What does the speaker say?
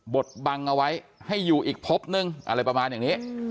บทบังเอาไว้ให้อยู่อีกพบนึงอะไรประมาณอย่างนี้